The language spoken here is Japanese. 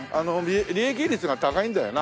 利益率が高いんだよな。